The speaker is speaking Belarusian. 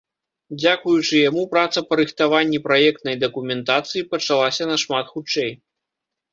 Дзякуючы яму праца па рыхтаванні праектнай дакументацыі пачалася нашмат хутчэй.